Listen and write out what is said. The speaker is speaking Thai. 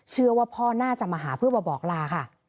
เชื่อว่าพ่อน่าจะมาหาเพื่อมาบอกลาค่ะ